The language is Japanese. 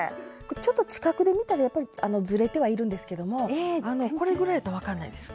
ちょっと近くで見たらやっぱりずれてはいるんですけどもあのこれぐらいやったら分かんないです。